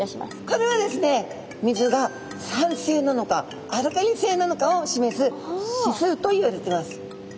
これはですね水が酸性なのかアルカリ性なのかを示す指数といわれてます。